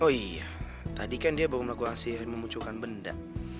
oh iya tadi kan dia baru melakukan memunculkan benda